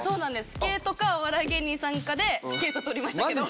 スケートかお笑い芸人さんかでスケートとりましたけど。